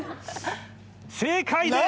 正解です！